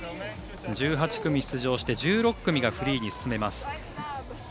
１８組出場して１６組がフリーに進めます。